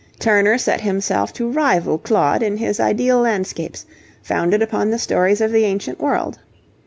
Turner set himself to rival Claude in his ideal landscapes, founded upon the stories of the ancient world.